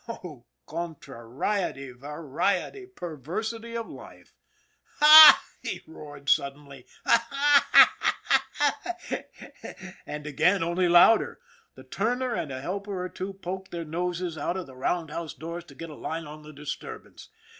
Oh, contrariety, variety, perversity of lif e !" Haw !" he roared suddenly. " Haw, haw ! Haw, haw, haw !" And again only louder. The turner and a helper or two poked their noses out of the round house doors to get a line on the disturbance.